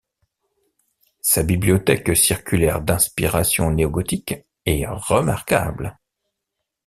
Sa bibliothèque circulaire d'inspiration néo-gothique est remarquable.